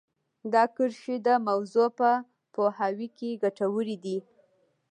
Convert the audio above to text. دا کرښې د موضوع په پوهاوي کې ګټورې دي